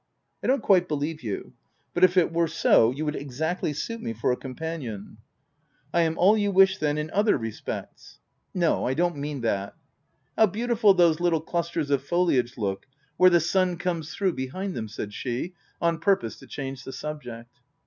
5 " I don't quite believe you ; but if it were so, you would exactly suit me for a companion. J> VOL. I. i 170 THE TENANT "I am all you wish, then, in other respects ?,?" No, I don't mean that. How beautiful those little clusters of foliage look, where the sun comes through behind them !" said she, on purpose to change the subject.